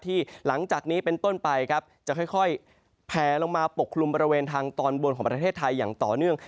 หลังจากนี้เป็นต้นไปครับจะค่อยแผลลงมาปกคลุมบริเวณทางตอนบนของประเทศไทยอย่างต่อเนื่อง